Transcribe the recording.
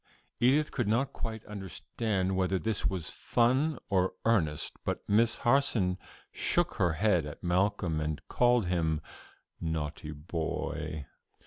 Edith could not quite understand whether this was fun or earnest, but Miss Harson shook her head at Malcolm and called him "naughty boy."